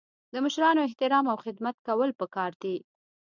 د مشرانو احترام او خدمت کول پکار دي.